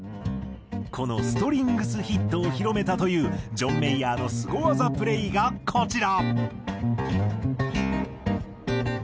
このストリングス・ヒットを広めたというジョン・メイヤーのすご技プレーがこちら。